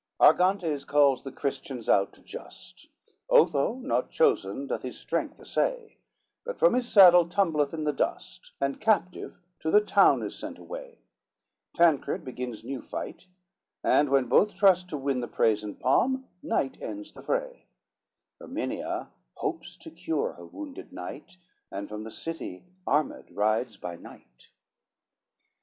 Argantes calls the Christians out to just: Otho not chosen doth his strength assay, But from his saddle tumbleth in the dust, And captive to the town is sent away: Tancred begins new fight, and when both trust To win the praise and palm, night ends the fray: Erminia hopes to cure her wounded knight, And from the city armed rides by night.